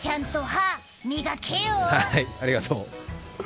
はい、ありがとう。